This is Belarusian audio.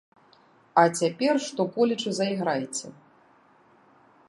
А цяпер што-колечы зайграйце.